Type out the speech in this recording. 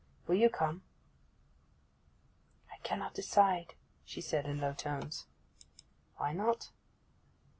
Will you come?' 'I cannot decide,' she said, in low tones. 'Why not?